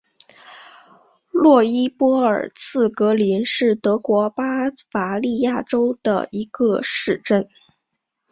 洛伊波尔茨格林是德国巴伐利亚州的一个市镇。